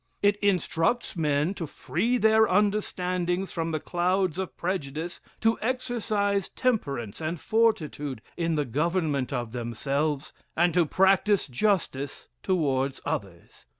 It instructs men to free their understandings from the clouds of prejudice; to exercise temperance and fortitude in the government of themselves: and to practice justice towards others.